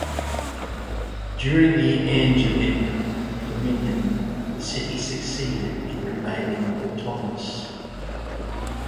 During the Angevin dominion the city succeeded in remaining autonomous.